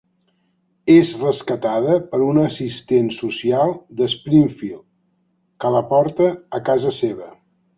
És rescatada per una assistent social de Springfield, que la porta a casa seva.